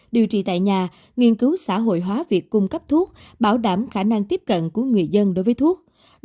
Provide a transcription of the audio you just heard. điều trị tại nhà nghiên cứu xã hội hóa việc cung cấp thuốc bảo đảm khả năng tiếp cận của người dân đối với thuốc